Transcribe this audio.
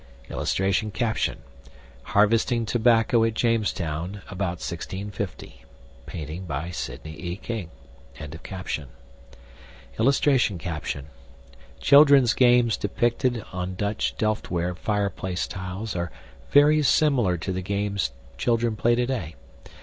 [Illustration: HARVESTING TOBACCO AT JAMESTOWN, ABOUT 1650. (Painting by Sidney E. King.)] [Illustration: CHILDRENS' GAMES DEPICTED ON DUTCH DELFTWARE FIREPLACE TILES ARE VERY SIMILAR TO THE GAMES CHILDREN PLAY TODAY.